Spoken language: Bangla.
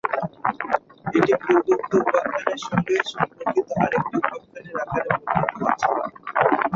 এটি পূর্বোক্ত উপাখ্যানের সঙ্গে সম্পর্কিত আরেকটি উপাখ্যানের আকারে বর্ণিত হয়েছে।